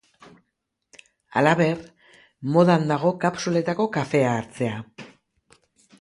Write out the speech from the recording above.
Halaber, modan dago kapsuletako kafea hartzea.